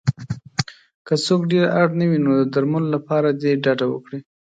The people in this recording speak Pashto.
که څوک ډېر اړ نه وی نو د درملو له کارولو دې ډډه وکړی